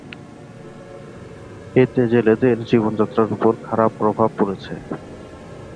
এতে জেলেদের জীবনযাত্রার উপর খারাপ প্রভাব পড়েছে।